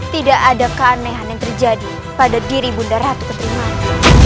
tidak ada keanehan yang terjadi pada diri ibu daratu kenterimani